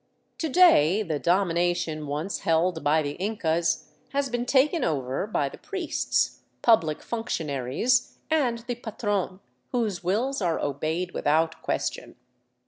To day the domination once held by the Incas has been taken over by the priests, public functionaries, and the patron, whose wills are obeyed without question.